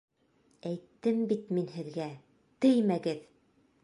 Әйттем бит мин һеҙгә: теймәгеҙ!